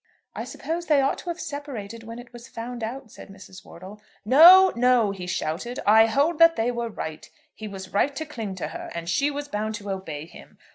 "I suppose they ought to have separated when it was found out," said Mrs. Wortle. "No, no," he shouted; "I hold that they were right. He was right to cling to her, and she was bound to obey him.